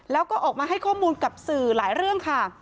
แล้วก็ออกมาให้ข้อมูลกับสื่อหลายเรื่องค่ะ